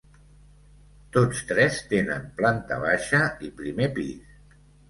Tots tres tenen planta baixa i primer pis.